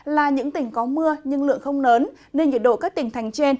là những tỉnh có mưa nhưng lượng không lớn nên nhiệt độ các tỉnh thành trên